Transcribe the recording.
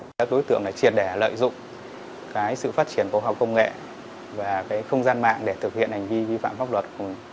các đối tượng là triệt đẻ lợi dụng cái sự phát triển công học công nghệ và cái không gian mạng để thực hiện hành vi vi phạm pháp luật